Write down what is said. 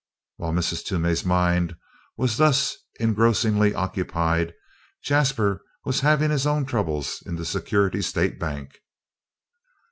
While Mrs. Toomey's mind was thus engrossingly occupied, Jasper was having his own troubles in the Security State Bank.